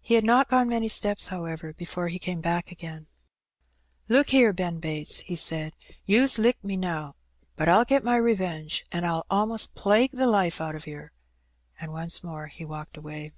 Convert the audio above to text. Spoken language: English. He had not gone many steps, however, before he came back again. "Look here, Ben Bates,'' he said, "you's licked me now, but I'll get my revenge, an' I'll a'most plague the life out o' yer," and once more he walked away.